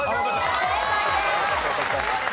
正解です。